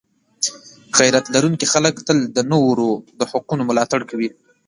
غیرت لرونکي خلک تل د نورو د حقونو ملاتړ کوي.